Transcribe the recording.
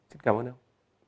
rất cảm ơn ông